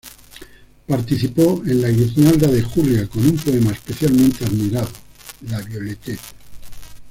Participó en la "Guirnalda de Julia" con un poema especialmente admirado: "La Violette".